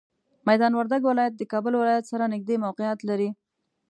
میدان وردګ ولایت د کابل ولایت سره نږدې موقعیت لري.